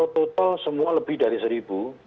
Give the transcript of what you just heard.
total semua lebih dari seribu